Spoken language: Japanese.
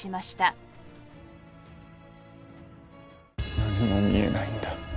何も見えないんだ。